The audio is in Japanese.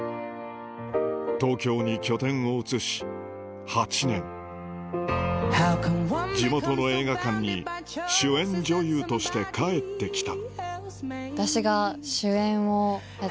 東京に拠点を移し８年地元の映画館に主演女優として帰ってきた